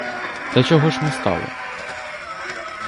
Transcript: Та чого ж ми стали?